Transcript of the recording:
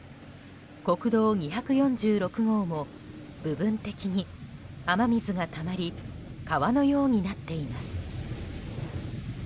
国道２４６号も部分的に雨水がたまり川のようになっています。